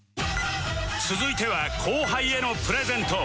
続いては後輩へのプレゼント